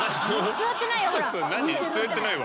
座ってないわ！